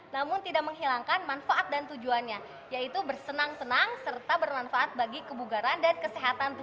namun tidak menghilangkan manfaat dan tujuannya yaitu bersenang senang serta bermanfaat bagi kebugaran dan kesehatan tubuh